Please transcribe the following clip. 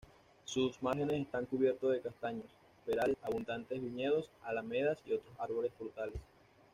Sus márgenes están cubiertos de castaños, perales, abundantes viñedos, alamedas y otros árboles frutales.